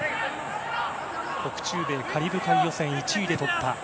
北中米カリブ海予選を１位で突破。